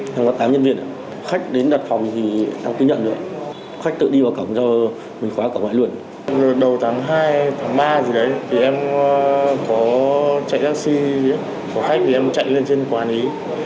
lần đầu tháng hai tháng ba gì đấy thì em có chạy taxi có khách thì em chạy lên trên quán ấy